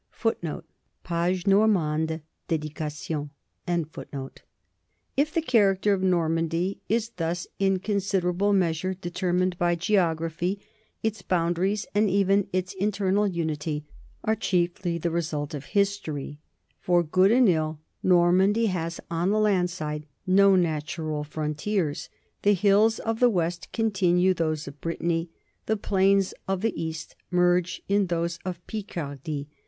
2 If the character of Normandy is thus in considerable measure determined by geography, its boundaries and even its internal unity are chiefly the result of history. For good and ill, Normandy has, on the land side, no natural frontiers. The hills of the west continue those of Brittany, the plains of the east merge in those of Picardy.